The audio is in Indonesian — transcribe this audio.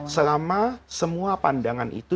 selama semua pandangan itu